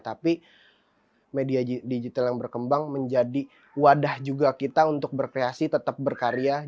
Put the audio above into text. tapi media digital yang berkembang menjadi wadah juga kita untuk berkreasi tetap berkarya